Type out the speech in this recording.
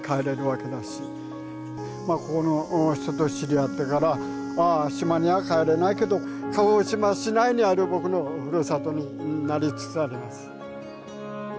まあここの人と知り合ってからまあ島には帰れないけど鹿児島市内にある僕のふるさとになりつつあります。